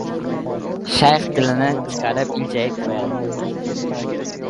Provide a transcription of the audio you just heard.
Shayx tilini chiqarib iljayib qo‘yadi.